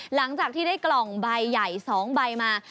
หลังจากที่ได้กล่องใบใหญ่๒ใบมา